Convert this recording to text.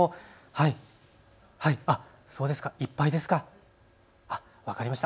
はい、はい、そうですか、いっぱいですか、分かりました。